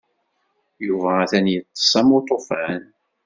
Yuba atan yeṭṭes am uṭufan.